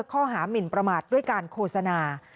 หมินประมาทด้วยการโฆษณา